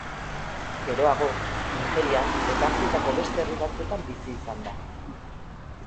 Geroago Nigerian eta Afrikako beste herri batzuetan bizi izan da.